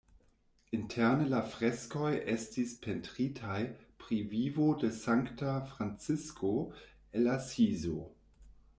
Interne la freskoj estis pentritaj pri vivo de Sankta Francisko el Asizo.